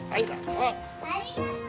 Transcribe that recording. ありがとう！